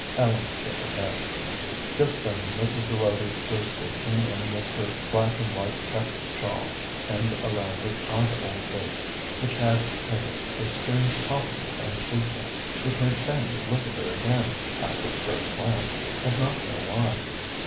Ellen shook her head. Just then Mrs. Zelotes Brewster came in with her black and white checked shawl pinned around her gaunt old face, which had in it a strange softness and sweetness, which made Fanny look at her again, after the first glance, and not know why.